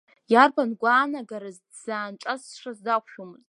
Иарбан гәаанагараз дыззаанҿасшаз дақәшәомызт.